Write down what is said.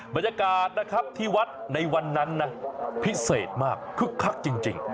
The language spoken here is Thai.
บรรยากาศนะครับที่วัดในวันนั้นนะพิเศษมากคึกคักจริง